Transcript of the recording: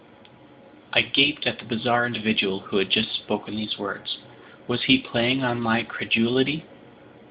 I gaped at the bizarre individual who had just spoken these words. Was he playing on my credulity?